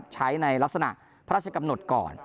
ใช้ในลักษณะพระราชกำหนดก่อน